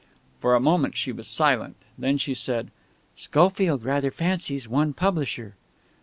For a moment she was silent. Then she said: "Schofield rather fancies one publisher."